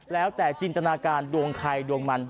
แล้วแต่จินตนาการดวงใครดวงมัน